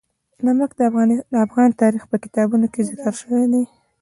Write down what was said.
نمک د افغان تاریخ په کتابونو کې ذکر شوی دي.